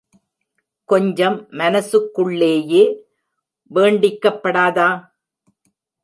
கொஞ்சம் மனசுக்குள்ளேயே வேண்டிக்கப்படாதா?